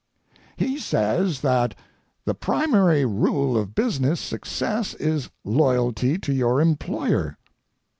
He says that the primary rule of business success is loyalty to your employer.